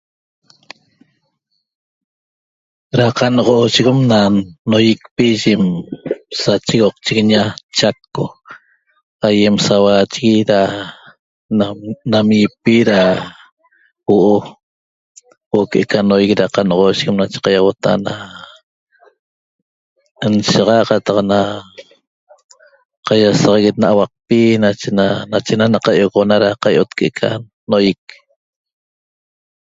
Na canoxosheguem enam nohieqpi yim sachi choqchiguiña chaco aiem sa huachegue da namipi da huo'o huo'o queca no caiabotaa' ena noxoshiguem nshaxataxana cataq caisaxaguet ena nauacpi nachena nache na da cahientaxana da caieet ena nohieq